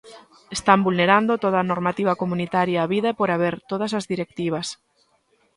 Están vulnerando toda a normativa comunitaria habida e por haber, todas as directivas.